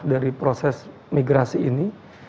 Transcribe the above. dari proses migrasi ini